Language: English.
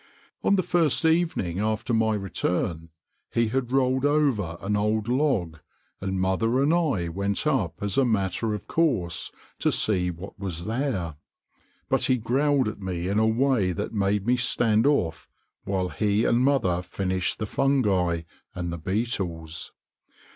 On the first evening after my return he had rolled over an old log, and mother and I went up as a matter of course to see what was there; but he growled at me in a way that made me stand off while he and mother finished the fungi and the beetles.